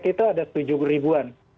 itu ada tujuh ribuan